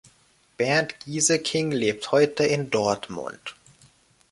Bernd Gieseking lebt heute in Dortmund.